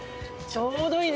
ちょうどいい。